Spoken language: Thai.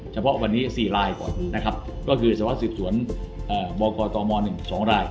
เฉพาะวันนี้๔รายก่อนนะครับก็คือสารวัสสืบสวนบกตม๑๒ราย